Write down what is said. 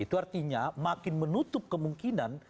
itu artinya makin menutup kemungkinan